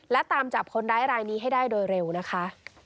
และตามจับคนร้ายรายนี้ให้ได้โดยเร็วนะคะ